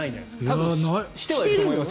多分、してはいると思います。